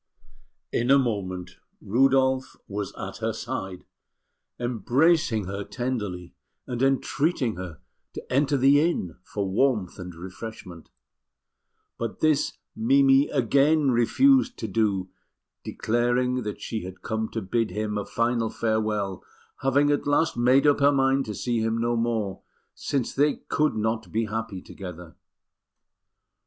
In a moment Rudolf was at her side, embracing her tenderly, and entreating her to enter the inn for warmth and refreshment; but this Mimi again refused to do, declaring that she had come to bid him a final farewell, having at last made up her mind to see him no more, since they could not be happy together.